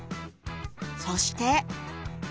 そして。